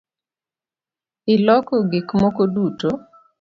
Iloko gikmoko duto?